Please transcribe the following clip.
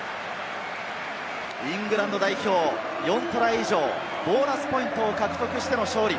イングランド代表４トライ以上、ボーナスポイントを獲得しての勝利。